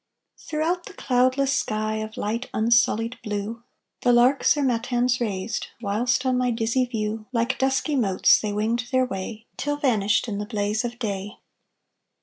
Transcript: Throughout the cloudless sky Of light unsullied blue, The larks their matins raised, Whilst on my dizzy view, Like dusky motes, They winged their way Till vanished in The blaze of day.